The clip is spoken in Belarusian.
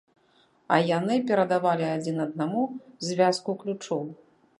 А яны перадавалі адзін аднаму звязку ключоў.